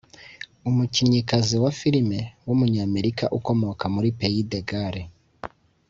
umukinnyikazi wa filime w’umunyamerika ukomoka muri Pays des Gales